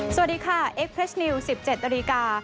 สวัสดีค่ะเอ็กซ์เพรสนิวสิบเจ็ดนาฬิกา